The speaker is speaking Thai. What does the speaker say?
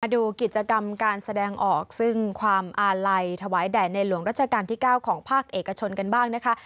ดูกิจกรรมการแสดงออกซึ่งความอาลัยถวายแด่ในหลวงรัชกาลที่๙ของภาคเอกชนกันบ้างนะคะ